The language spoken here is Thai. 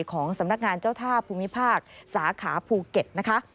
ของสำนักงานเจ้าท่าภูมิภาคสาขาภูเก็ตนะคะ